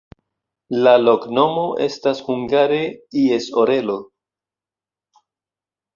La loknomo estas hungare: ies orelo.